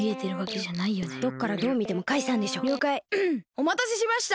おまたせしました。